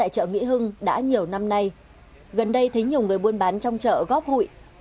chị trương đã nhiều năm nay gần đây thấy nhiều người buôn bán trong chợ góp hụi